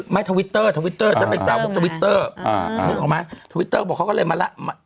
ไม่ทวิตเตอร์ทวิตเตอร์ทวิตเตอร์อ่านึกออกมั้ยทวิตเตอร์บอกเขาก็เลยมาแล้ว